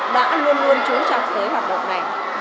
đã luôn luôn trú trọng tới học văn của chúng tôi